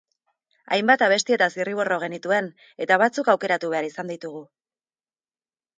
Hainbat abesti eta zirriborro genituen eta batzuk aukeratu behar izan ditugu.